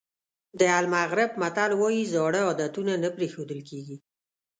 د المغرب متل وایي زاړه عادتونه نه پرېښودل کېږي.